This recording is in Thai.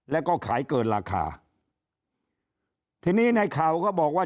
แล้วก็ขายเกินราคาทีนี้ในข่าวก็บอกว่า